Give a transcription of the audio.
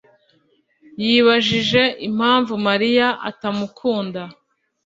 yibajije impamvu Mariya atamukunda.